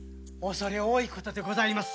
恐れ多いことでございます。